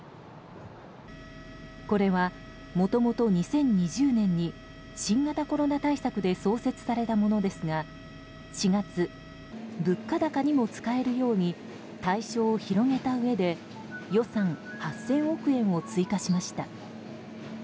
これは、もともと２０２０年に新型コロナ対策で創設されたものですが４月、物価高にも使えるように対象を広げたうえで予算８０００億円を追加しました。